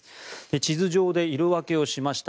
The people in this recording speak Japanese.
地図上で色分けをしました。